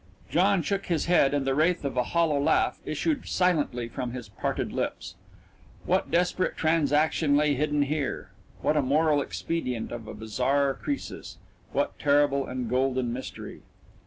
John shook his head and the wraith of a hollow laugh issued silently from his parted lips. What desperate transaction lay hidden here? What a moral expedient of a bizarre Croesus? What terrible and golden mystery?...